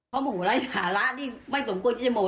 เพราะโมโหไร้สาระนี่ไม่สมควรที่จะโมโห